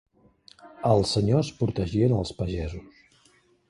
Els senyors protegien als pagesos.